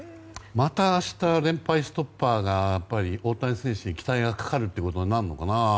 また明日連敗ストッパーが大谷選手に期待がかかるということになるのかな。